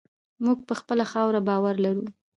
موږ په خپله خاوره باور لرو.